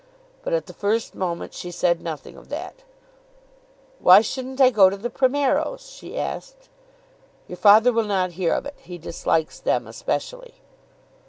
But at the first moment she said nothing of that. "Why shouldn't I go to the Primeros?" she asked. "Your father will not hear of it. He dislikes them especially."